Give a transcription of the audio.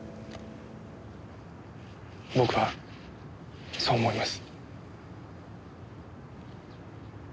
僕はそう思います。